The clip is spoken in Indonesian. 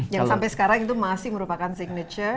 yang sampai sekarang itu masih merupakan signature